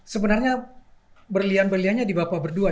sebenarnya berlian berliannya di bapak berdua